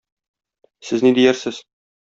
Сез ни диярсез?